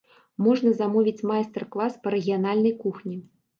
Можна замовіць майстар-клас па рэгіянальнай кухні.